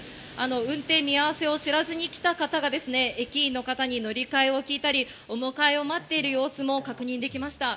運転見合わせを知らずに来た方が駅員の方に乗り換えを聞いたり、お迎えを待っている様子も確認できました。